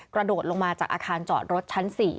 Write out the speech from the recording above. กระโดดลงมาจากอาคารจอดรถชั้น๔